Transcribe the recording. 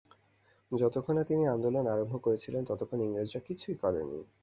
যতদিন না তিনি আন্দোলন আরম্ভ করেছিলেন, ততদিন ইংরেজরা কিছুই করেনি।